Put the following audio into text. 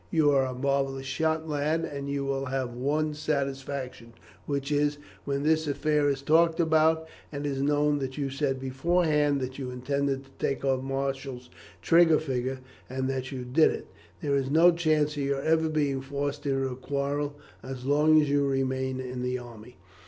You are a marvellous shot, lad, and you will have one satisfaction, which is, that when this affair is talked about, and it is known that you said beforehand that you intended to take off Marshall's trigger finger, and that you did it, there is no chance of your ever being forced into a quarrel as long as you remain in the army."